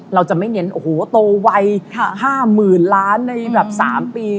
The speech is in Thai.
เราจะไม่เน้นโอ้โหโตวัย๕๐๐๐ล้านในแบบ๓ปี